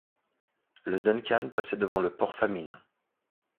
Le Duncan passait devant le Port-Famine.